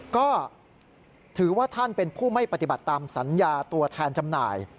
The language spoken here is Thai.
ก็ถือว่าท่านเป็นผู้ไม่ปฏิบัติตามสัญญาตัวแทนจำหน่าย